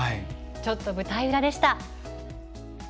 「ちょっと舞台裏」でした。